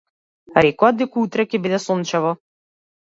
Рекоа дека утре ќе биде сончево.